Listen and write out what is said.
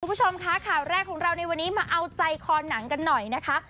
คุณผู้ชมคะข่าวแรกของเราในวันนี้มาเอาใจคอหนังกันหน่อยนะคะ